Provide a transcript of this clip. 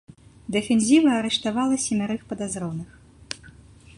Дэфензіва арыштавала семярых падазроных.